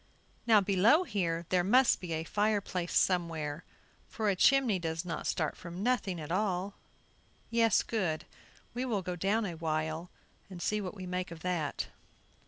Now, below here there must be a fire place somewhere, for a chimney does not start from nothing at all; yes, good! we will go down a while and see what we make of that."